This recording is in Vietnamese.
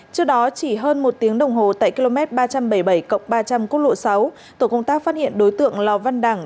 trước đó chỉ hơn một tiếng đồng hồ tại km ba trăm bảy mươi bảy cộng ba trăm linh cốt lộ sáu tổ công tác phát hiện đối tượng lào văn đảng